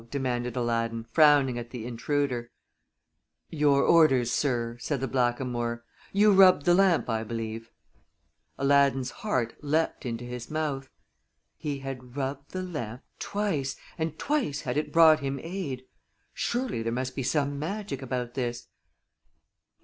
demanded Aladdin, frowning at the intruder. [Illustration: "YOU RUBBED THE LAMP, I BELIEVE?"] "Your orders, sir," said the blackamoor. "You rubbed the lamp, I believe?" Aladdin's heart leaped into his mouth. He had rubbed the lamp twice, and twice had it brought him aid! Surely, there must be some magic about this.